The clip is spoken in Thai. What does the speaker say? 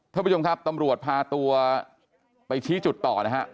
ท่านผู้ชมครับตำรวจพาตัวไปชี้จุดต่อนะฮะ